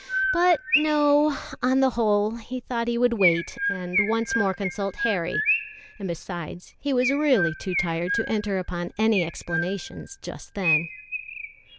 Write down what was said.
But no; on the whole, he thought he would wait and once more consult Harry, and, besides, he was really too tired to enter upon any explanations just then.